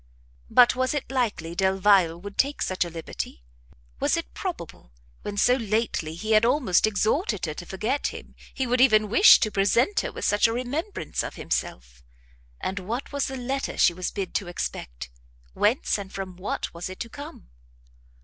But was it likely Delvile would take such a liberty? Was it probable, when so lately he had almost exhorted her to forget him, he would even wish to present her with such a remembrance of himself? And what was the letter she was bid to expect? Whence and from what was it to come?